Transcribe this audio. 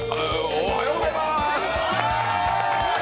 おはようございます。